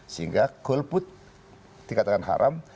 sehingga golput dikatakan haram